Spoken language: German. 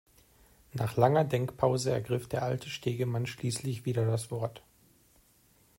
Nach langer Denkpause ergriff der alte Stegemann schließlich wieder das Wort.